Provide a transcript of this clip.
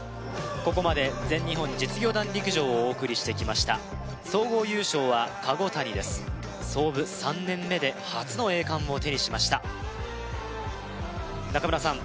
ここまで全日本実業団陸上をお送りしてきました総合優勝はＫＡＧＯＴＡＮＩです創部３年目で初の栄冠を手にしました中村さん